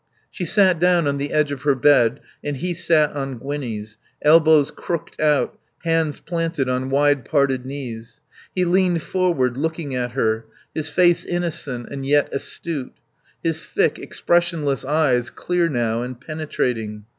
She sat down on the edge of her bed and he sat on Gwinnie's, elbows crooked out, hands planted on wide parted knees; he leaned forward, looking at her, his face innocent and yet astute; his thick, expressionless eyes clear now and penetrating.